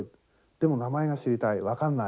でも名前が知りたい分かんない。